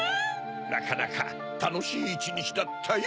なかなかたのしいいちにちだったよ。